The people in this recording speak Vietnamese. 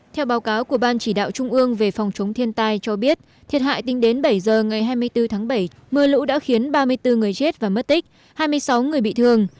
theo báo cáo của ban chỉ đạo trung ương về phòng chống thiên tai cho biết thiệt hại tính đến bảy giờ ngày hai mươi bốn tháng bảy mưa lũ đã khiến ba mươi bốn người chết và mất tích hai mươi sáu người bị thương